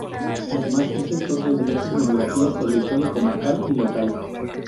Además, es autor de diversas monografías sobre historia comarcal y local.